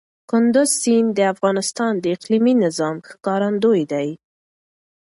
کندز سیند د افغانستان د اقلیمي نظام ښکارندوی دی.